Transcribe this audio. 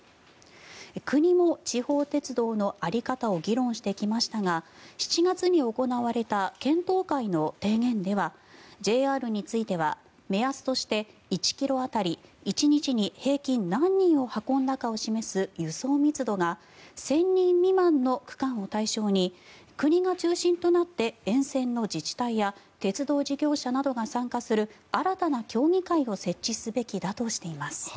国も地方鉄道の在り方を議論してきましたが７月に行われた検討会の提言ではＪＲについては目安として１ｋｍ当たり１日に平均何人運んだかを示す輸送密度が１０００人未満の区間を対象に国が中心となって沿線の自治体や鉄道事業者などが参加する新たな協議会を設置すべきだとしています。